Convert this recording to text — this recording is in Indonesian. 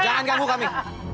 jangan ganggu kami